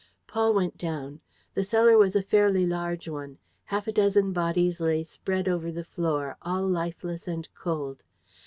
Paul went down. The cellar was a fairly large one. Half a dozen bodies lay spread over the floor, all lifeless and cold.